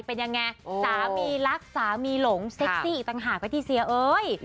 เป็นยังไงสามีรักสามีหลงเซ็กซี่อีกต่างหากไหมที่เซียเอ้ย